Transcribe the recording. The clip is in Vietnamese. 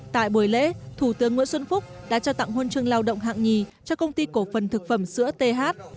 tại buổi lễ thủ tướng nguyễn xuân phúc đã trao tặng huân chương lao động hạng nhì cho công ty cổ phần thực phẩm sữa th